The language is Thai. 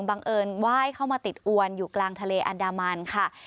บังเอิญไหว้เข้ามาติดอวนอยู่กลางทะเลอันดามันค่ะ